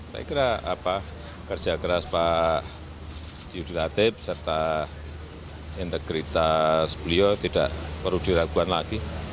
saya kira kerja keras pak yudi latif serta integritas beliau tidak perlu diraguan lagi